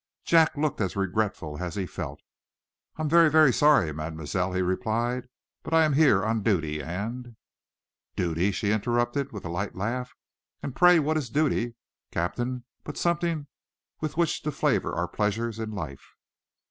Jack looked as regretful as he felt. "I'm very, very sorry, Mademoiselle" he replied. "But I am here on duty, and " "Duty?" she interrupted, with a light laugh. "And pray what is duty, Captain, but a something with which to flavor our pleasures in life?"